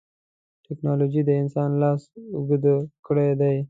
ټکنالوجي د انسان لاس اوږد کړی دی.